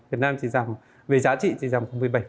việt nam về giá trị chỉ giảm một mươi bảy